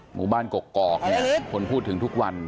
หมู่บ้านกกอกเนี่ยคนพูดถึงทุกวัน